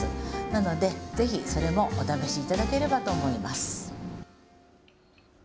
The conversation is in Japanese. なので、ぜひそれもお試しいただければと思います。